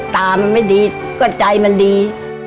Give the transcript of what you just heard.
ตามันไม่ดีก็ใจมันดี